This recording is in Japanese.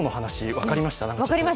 分かりました。